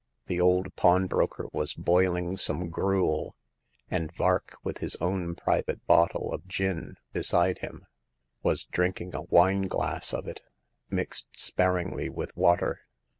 The old pawnbroker was boiling some gruel, and Vark, with his own private bottle of gin beside him, was drinking a wineglass of it, mixed spar ingly with water.